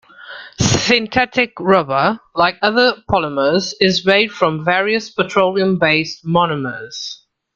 Synthetic rubber, like other polymers, is made from various petroleum-based monomers.